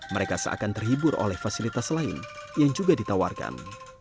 mereka seakan terhibur oleh fasilitas lain yang juga ditawarkan